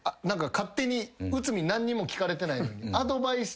内海に何にも聞かれてないのに。